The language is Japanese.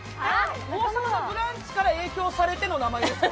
「王様のブランチ」から影響されての名前ですか？